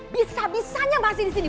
bisa bisanya masih di sini